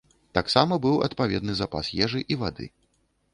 Таксама быў адпаведны запас ежы і вады.